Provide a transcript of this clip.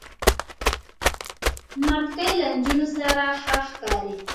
نتکۍ له نجونو سره ښه ښکاری.